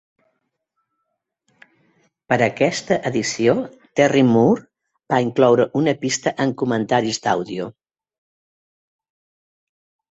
Per a aquesta edició, Terry Moore va incloure una pista amb comentaris d'àudio.